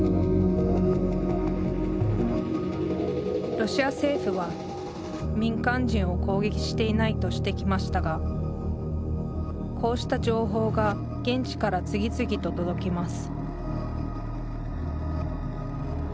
ロシア政府は「民間人を攻撃していない」としてきましたがこうした情報が現地から次々と届きます